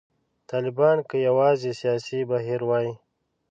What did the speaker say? طالبان که یوازې سیاسي بهیر وای.